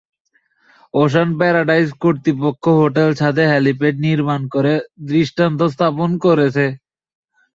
Ocean Paradise কর্তৃপক্ষ হোটেলের ছাদে হেলিপ্যাড নির্মাণ করে দৃষ্টান্ত স্থাপন করেছে।